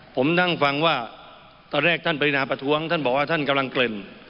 ผมนั่งฟังว่าตอนแรกท่านปรินาประท้วงท่านบอกว่าท่านกำลังเกริ่น